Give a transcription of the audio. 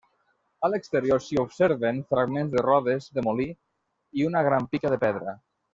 A l'exterior s'hi observen fragments de rodes de molí i una gran pica de pedra.